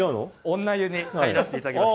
女湯に入らせていただきます。